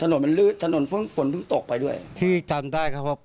การเล่นว่าเกินนะโอโหเพราะโอ้ถูกไปด้วยที่ทางด้าครับ